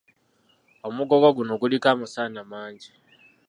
Omugogo guno guliko amasanda mangi.